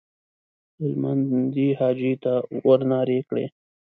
هلمندي حاجي ته ورنارې کړې.